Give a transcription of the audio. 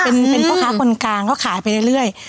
เป็นพ่อค้าคนกลางเขาขายไปเรื่อย